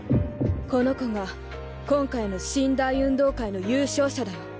この子が今回の神・大運動会の優勝者だよ。